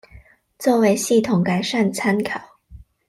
作為系統改善參考